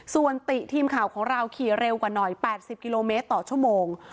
ส่วนติทีมข่าวของเราขี่เร็วกว่าหน่อย๘๐กิโลเมตรต่อชั่วโมง